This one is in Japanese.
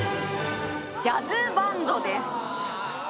ジャズバンドですうわー